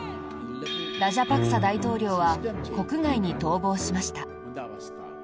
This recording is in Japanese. ラジャパクサ大統領は国外に逃亡しました。